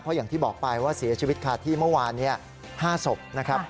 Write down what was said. อย่างที่บอกไปว่าเสียชีวิตคาที่เมื่อวาน๕ศพนะครับ